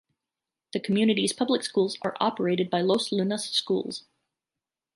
The community's public schools are operated by Los Lunas Schools.